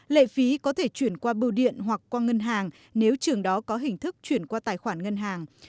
lệ phí có thể chuyển qua bưu điện hoặc qua ngân hàng nếu trường đó có hình thức chuyển qua tài khoản ngân hàng